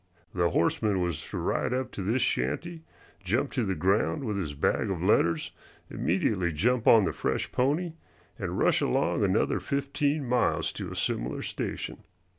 The horseman was to ride up to this shanty, jump to the ground with his bag of letters, immediately jump on the fresh pony, and rush along another fifteen miles to a similar station.